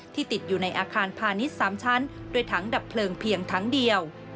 ติดอยู่ในอาคารพาณิชย์๓ชั้นด้วยถังดับเพลิงเพียงถังเดียว